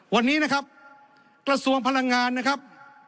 วันนี้นะครับกระทรวงพลังงานนะครับ